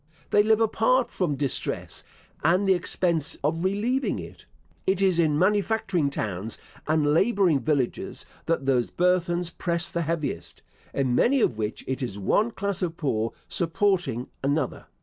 They live apart from distress, and the expense of relieving it. It is in manufacturing towns and labouring villages that those burthens press the heaviest; in many of which it is one class of poor supporting another.